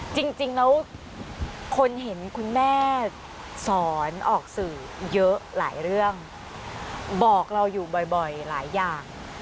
จริงแล้วคนเห็นคุณแม่สอนออกสื่อเยอะหลายเรื่องบอกเราอยู่บ่อยหลายอย่าง